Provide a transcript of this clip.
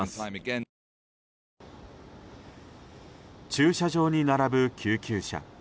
駐車場に並ぶ救急車。